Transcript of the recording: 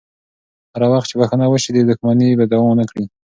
هر وخت چې بخښنه وشي، دښمني به دوام ونه کړي.